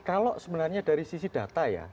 kalau sebenarnya dari sisi data ya